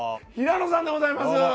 平野さんでございます。